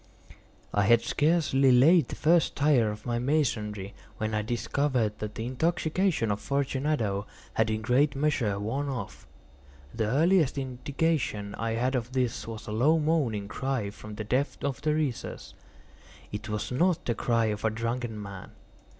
I had scarcely laid the first tier of my masonry when I discovered that the intoxication of Fortunato had in a great measure worn off. The earliest indication I had of this was a low moaning cry from the depth of the recess. It was not the cry of a drunken man.